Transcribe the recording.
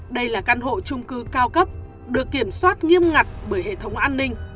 đây là căn hộ trung cư cao cấp được kiểm soát nghiêm ngặt bởi hệ thống an ninh